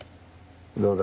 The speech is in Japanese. どうだ？